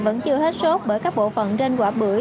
vẫn chưa hết sốt bởi các bộ phận trên quả bưởi